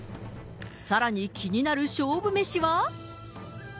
さらに気になる勝負飯は？